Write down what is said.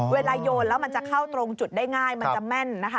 โยนแล้วมันจะเข้าตรงจุดได้ง่ายมันจะแม่นนะคะ